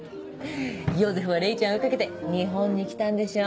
ヨーゼフはレイちゃん追いかけて日本に来たんでしょ？